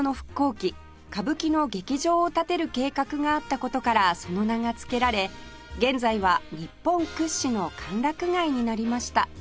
期歌舞伎の劇場を建てる計画があった事からその名が付けられ現在は日本屈指の歓楽街になりました